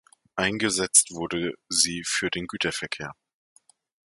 Eingesetzt wurde sie für den Güterverkehr.